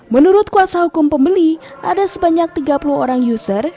menurut kuasa hukum pembeli ada sebanyak tiga puluh orang user